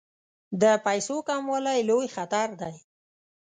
د پیسو کموالی لوی خطر دی.